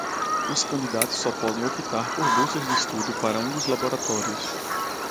Os candidatos só podem optar por bolsas de estudo para um dos laboratórios.